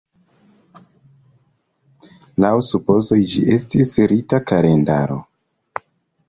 Laŭ supozoj, ĝi estis rita kalendaro.